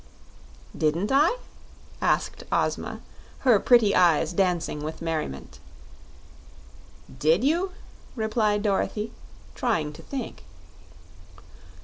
"Didn't I?" asked Ozma, her pretty eyes dancing with merriment. "Did you?" replied Dorothy, trying to think.